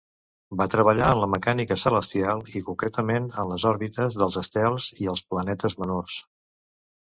Va treballar en la mecànica celestial i concretament en les òrbites dels estels i els planetes menors.